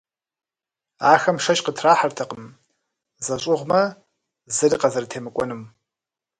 Ахэм шэч къытрахьэртэкъым зэщӏыгъумэ, зыри къазэрытемыкӏуэнум.